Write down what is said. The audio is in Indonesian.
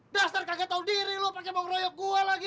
dastar kagak tau diri lo pake mau meroyok gua lagi